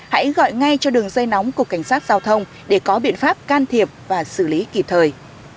hãy gọi ngay cho đường dây nóng của cảnh sát giao thông để có biện pháp can thiệp và xử lý kịp thời